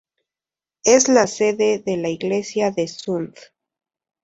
Es la sede de la iglesia de Sund.